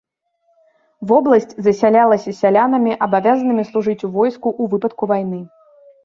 Вобласць засялялася сялянамі, абавязанымі служыць у войску ў выпадку вайны.